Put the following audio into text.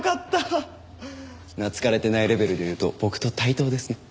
懐かれてないレベルでいうと僕と対等ですね。